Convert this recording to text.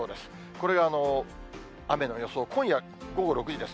これが雨の予想、今夜午後６時です。